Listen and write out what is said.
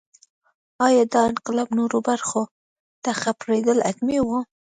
ایا دا انقلاب نورو برخو ته خپرېدل حتمي وو.